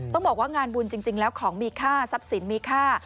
ต้องบอกว่างานบุญจริงแล้วของมีค่าทรัพย์สินมีค่า